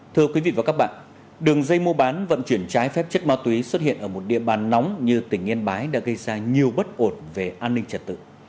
thưa quý vị và các bạn đường dây mua bán vận chuyển trái phép chất ma túy xuất hiện ở một địa bàn nóng như tỉnh yên bái đã gây ra nhiều bất ổn về an ninh trật tự